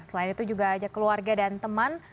selain itu juga ajak keluarga dan teman